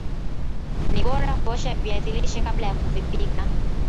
ni bora kuosha viazi lishe kabla ya kuvipika